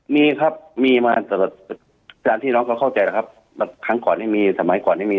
มีครับมีมาตรฐานที่น้องเขาเข้าใจแล้วครับแบบครั้งก่อนได้มีสมัยก่อนได้มี